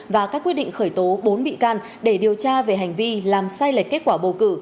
và các quyết định khởi tố bốn bị can để điều tra về hành vi làm sai lệch kết quả bầu cử